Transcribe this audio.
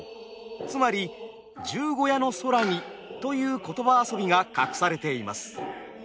つまり「十五夜の空に」という言葉遊びが隠されています。